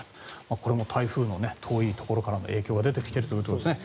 これも台風の遠いところからの影響が出てきているということですね。